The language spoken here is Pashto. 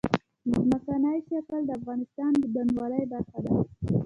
ځمکنی شکل د افغانستان د بڼوالۍ برخه ده.